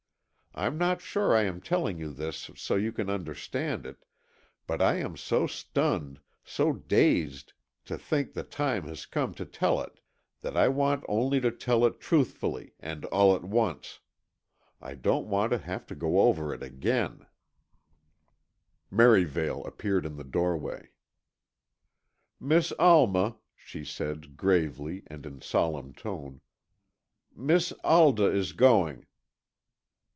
I'm not sure I am telling you this so you can understand it, but I am so stunned, so dazed to think the time has come to tell it, that I want only to tell it truthfully and all at once, I don't want to have to go over it again——" Merivale appeared in the doorway. "Miss Alma," she said, gravely, and in solemn tone, "Miss Alda is going."